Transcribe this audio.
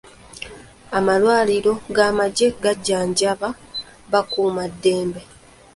Amalwaliro g'amagye gajjanjaba bakuuma ddembe.